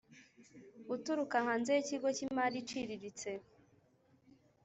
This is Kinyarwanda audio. uturuka hanze y ikigo cy imari iciriritse